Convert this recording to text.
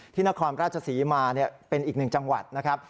นครราชศรีมาเป็นอีกหนึ่งจังหวัดนะครับ